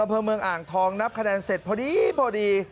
เอาเพลิงเมืองอ่างทองนับคะแนนเสร็จพอดี